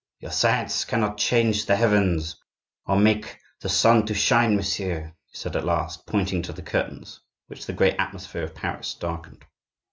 "Your science cannot change the heavens or make the sun to shine, messieurs," he said at last, pointing to the curtains which the gray atmosphere of Paris darkened.